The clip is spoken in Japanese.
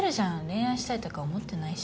恋愛したいとか思ってないし。